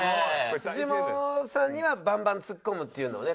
フジモンさんにはバンバンツッコむっていうのをね